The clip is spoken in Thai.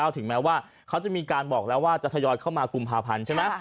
ถึงแม้ว่าเขาจะมีการบอกแล้วว่าจะทยอยเข้ามากุมภาพันธ์ใช่ไหม